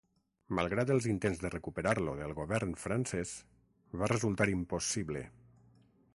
Malgrat els intents de recuperar-lo del govern francès, va resultar impossible.